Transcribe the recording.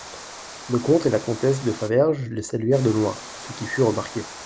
Le comte et la comtesse de Faverges les saluèrent de loin, ce qui fut remarqué.